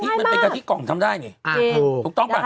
ที่เลยคาทิเขยมันเป็นกะทิก่อนทำได้นี่ถูกต้องปะ